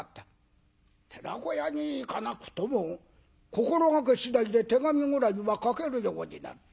「寺子屋に行かなくとも心がけ次第で手紙ぐらいは書けるようになる。